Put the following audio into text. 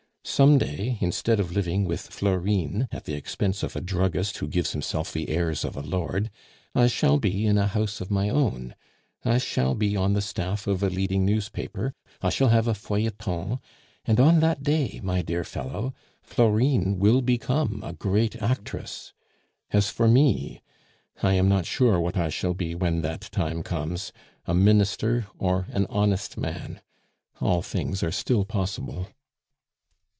Some day, instead of living with Florine at the expense of a druggist who gives himself the airs of a lord, I shall be in a house of my own; I shall be on the staff of a leading newspaper, I shall have a feuilleton; and on that day, my dear fellow, Florine will become a great actress. As for me, I am not sure what I shall be when that time comes, a minister or an honest man all things are still possible."